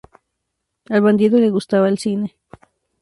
Al Bandido le gustaba el cine.